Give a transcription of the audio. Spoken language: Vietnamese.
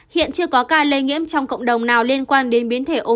hiện chưa có ca lây nhiễm trong cộng đồng nào liên quan đến biến thể omicron